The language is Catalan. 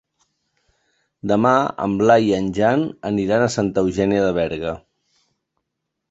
Demà en Blai i en Jan aniran a Santa Eugènia de Berga.